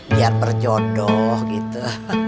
biar berjodoh gitu